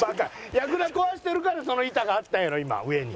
やぐら壊してるからその板があったんやろ今上に。